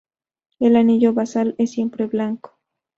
El anillo basal es siempre blanco.